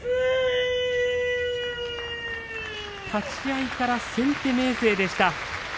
立ち合いから先手明生でした。